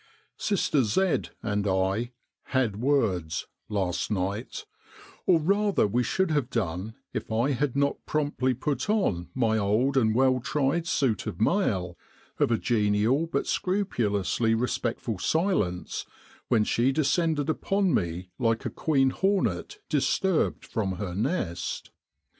Military General Hospitals in Egypt "Sister Z and I 'had words* last night; or rather we should have done if I had not promptly put on my old and well tried suit of mail, of a genial but scrupulously respectful silence, when she descended upon me like a queen hornet disturbed from her nest.